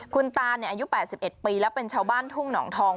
คุณตาอายุ๘๑ปีแล้วเป็นชาวบ้านทุ่งหนองทอง